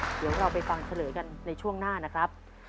เดี๋ยวเราไปฟังเฉลยกันในช่วงหน้านะครับ